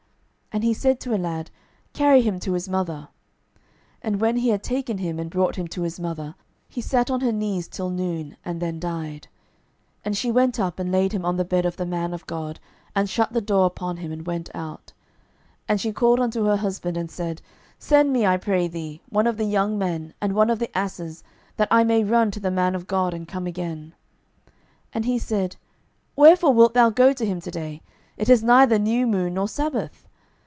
And he said to a lad, Carry him to his mother. 12:004:020 And when he had taken him, and brought him to his mother, he sat on her knees till noon, and then died. 12:004:021 And she went up, and laid him on the bed of the man of God, and shut the door upon him, and went out. 12:004:022 And she called unto her husband, and said, Send me, I pray thee, one of the young men, and one of the asses, that I may run to the man of God, and come again. 12:004:023 And he said, Wherefore wilt thou go to him to day? it is neither new moon, nor sabbath.